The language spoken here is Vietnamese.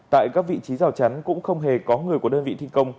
tại các vị trí rào chắn cũng không hề có người của đơn vị thi công